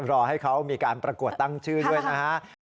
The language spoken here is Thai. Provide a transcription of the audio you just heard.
รอให้เขามีการประกวดตั้งชื่อด้วยนะฮะ